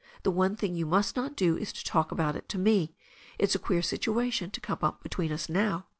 The one thing you must not do is to talk about it to me. It's a queer situation to come up between us now.